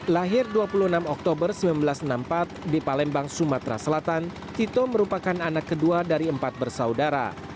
lahir dua puluh enam oktober seribu sembilan ratus enam puluh empat di palembang sumatera selatan tito merupakan anak kedua dari empat bersaudara